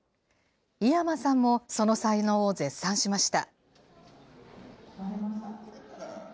井山さんもその才能を絶賛しました。